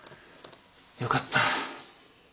よかった。